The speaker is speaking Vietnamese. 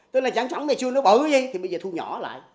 thế là trắng sống này chưa nó bự gì thì bây giờ thu nhỏ lại